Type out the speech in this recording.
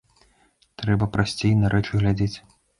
Трэба прасцей на рэчы глядзець.